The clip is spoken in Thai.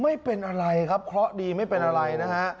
ไม่เป็นอะไรครับเคราะห์ดีไม่เป็นอะไรนะฮะ